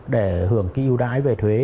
để hưởng cái ưu đãi về thuế